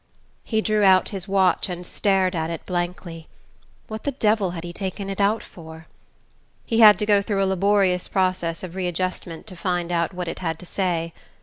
He drew out his watch and stared at it blankly. What the devil had he taken it out for? He had to go through a laborious process of readjustment to find out what it had to say....